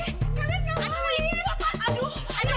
ibu tenang dulu